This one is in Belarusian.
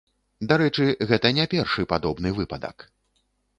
Дарэчы, гэта не першы падобны выпадак.